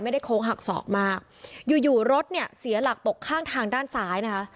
โค้งหักศอกมากอยู่อยู่รถเนี่ยเสียหลักตกข้างทางด้านซ้ายนะคะ